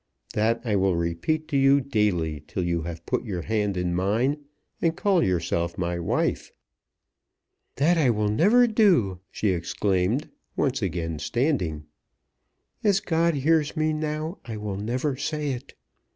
That I will repeat to you daily till you have put your hand in mine, and call yourself my wife." "That I will never do," she exclaimed, once again standing. "As God hears me now I will never say it.